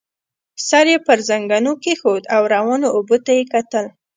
سر يې پر زنګنو کېښود او روانو اوبو ته يې کتل.